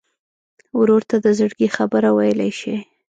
ورور ته د زړګي خبره ویلی شې.